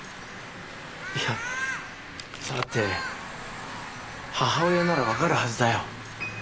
いや「さあ？」って母親なら分かるはずだよ。